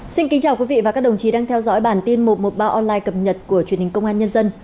xin kính chào quý vị và các đồng chí đang theo dõi bản tin một trăm một mươi ba online cập nhật của truyền hình công an nhân dân